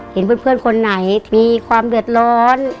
เห็นเพื่อนคนไหนมีความเดือดร้อน